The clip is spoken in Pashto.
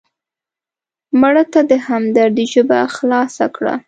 مړه ته د همدردۍ ژبه خلاصه کړه